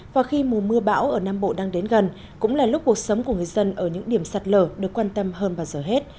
và khi mùa mưa bão ở nam bộ đang đến gần cũng là lúc cuộc sống của người dân ở những điểm sạt lở được quan tâm hơn bao giờ hết